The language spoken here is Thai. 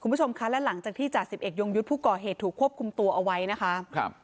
คุณผู้ชมคะและหลังจากที่จ่าสิบเอกยงยุทธ์ผู้ก่อเหตุถูกควบคุมตัวเอาไว้นะคะครับ